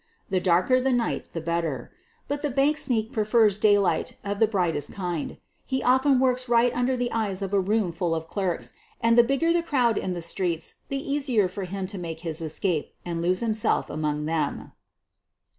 The darker the night the better. But the bank sneak prefers daylight of the brightest kind. He often works right under the eyes of a room full of clerks, and the bigger the crowd in the streets the easier for him to make his escape and lose himself among them.